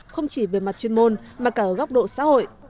không chỉ về mặt chuyên môn mà cả ở góc độ xã hội